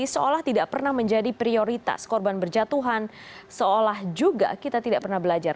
seolah tidak pernah menjadi prioritas korban berjatuhan seolah juga kita tidak pernah belajar